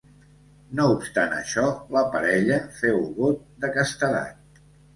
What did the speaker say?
No obstant això, la parella féu vot de castedat.